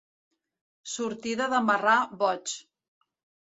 Sortida de marrà boig.